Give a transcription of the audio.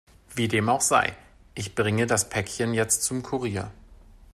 Wie dem auch sei, ich bringe das Päckchen jetzt zum Kurier.